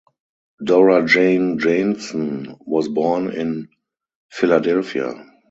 Dora Jane Janson was born in Philadelphia.